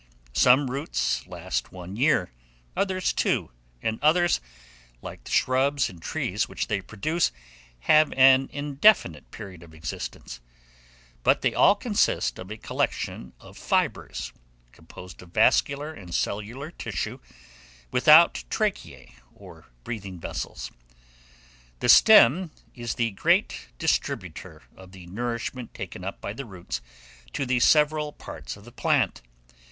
Some roots last one year, others two, and others, like the shrubs and trees which they produce, have an indefinite period of existence; but they all consist of a collection of fibres, composed of vascular and cellular tissue, without tracheae, or breathing vessels. The stem is the grand distributor of the nourishment taken up by the roots, to the several parts of the plant.